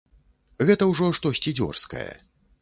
Гэта ўжо штосьці дзёрзкае.